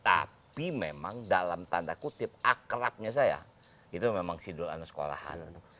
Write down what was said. tapi memang dalam tanda kutip akrabnya saya itu memang sidul anak sekolahan